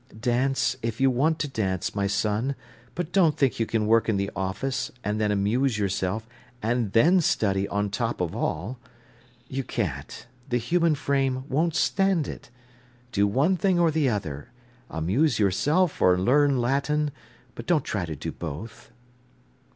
"Dance, if you want to dance, my son; but don't think you can work in the office, and then amuse yourself, and then study on top of all. You can't; the human frame won't stand it. Do one thing or the other—amuse yourself or learn Latin; but don't try to do both."